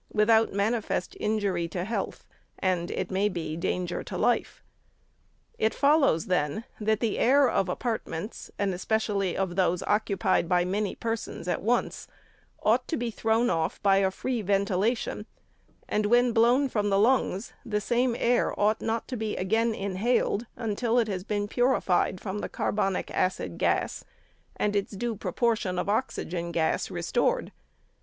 without manifest injury to health, and, it may be, danger to life. It follows, then, that the air of apartments, and especially of those occupied by many persons at once, ought to be thrown off by a free ventilation ; and, when blown from the lungs, the same air ought not to be again inhaled until it has been purified from the carbonic acid gas, and its due proportion of oxygen gas restored.